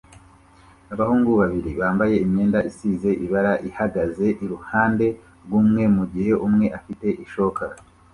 Abahungu babiri bambaye imyenda isize ibara ihagaze iruhande rumwe mugihe umwe afite ishoka